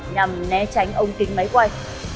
nhằm né tránh ống kính máy quay